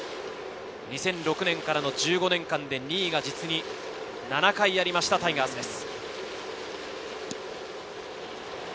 ２００６年からの１５年間で２位が実に７回ありました、タイガースです。